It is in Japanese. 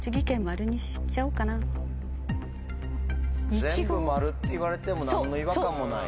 全部「○」って言われても何の違和感もない。